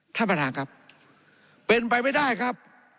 ท่านประธานครับเป็นไปไม่ได้ครับ